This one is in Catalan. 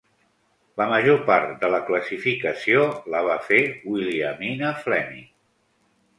La major part de la classificació la va fer Williamina Fleming.